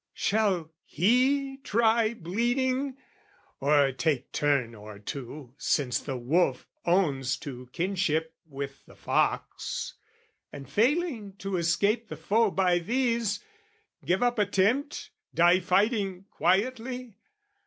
Shall he try bleating? or take turn or two, Since the wolf owns to kinship with the fox, And failing to escape the foe by these, Give up attempt, die fighting quietly?